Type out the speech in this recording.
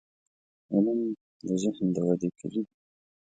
• علم، د ذهن د ودې کلي ده.